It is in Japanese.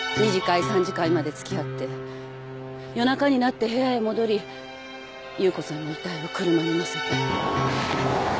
三次会まで付き合って夜中になって部屋へ戻り夕子さんの遺体を車にのせた。